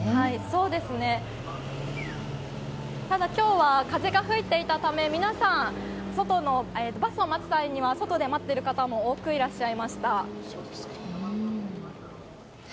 ただ、今日は風が吹いていたため皆さん、バスを待つ人も外で待っている方も多くいらっしゃいました。